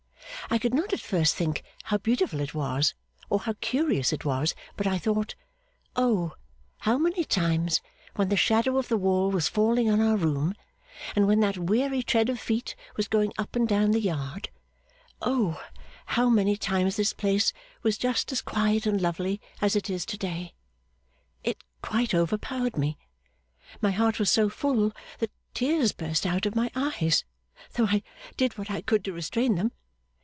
I could not at first think how beautiful it was, or how curious, but I thought, 'O how many times when the shadow of the wall was falling on our room, and when that weary tread of feet was going up and down the yard O how many times this place was just as quiet and lovely as it is to day!' It quite overpowered me. My heart was so full that tears burst out of my eyes, though I did what I could to restrain them.